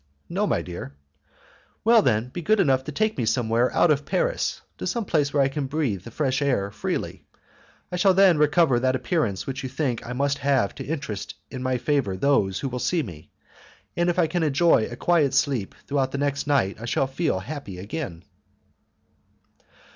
"No, my dear." "Well, then, be good enough to take me somewhere out of Paris; to some place where I can breathe the fresh air freely; I shall then recover that appearance which you think I must have to interest in my favour those who will see me; and if I can enjoy a quiet sleep throughout the next night I feel I shall be happy again."